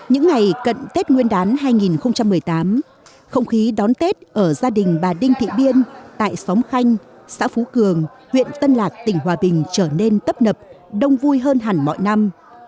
những ngày cận tết nguyên đán hai nghìn một mươi tám không khí đón tết ở gia đình bà đinh thị biên tại xóm khanh xã phú cường huyện tân lạc tỉnh hòa bình trở nên tấp nập đông vui hơn hẳn mọi năm